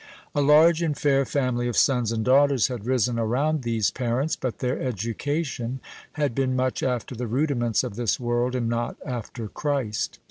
A large and fair family of sons and daughters had risen around these parents; but their education had been much after the rudiments of this world, and not after Christ.